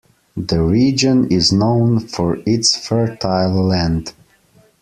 The region is known for its fertile land.